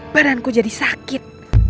padanku jadi sakit